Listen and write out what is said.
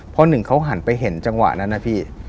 เพราะหนึ่งเขาหันไปเห็นจังหวะนั้นนะพี่